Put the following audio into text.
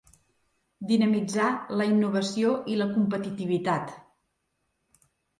Dinamitzar la innovació i la competitivitat.